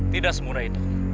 tidak semudah itu